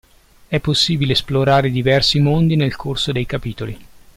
È possibile esplorare diversi mondi nel corso dei capitoli.